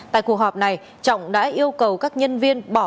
tại cuộc họp này trọng đã yêu cầu các nhân viên bỏ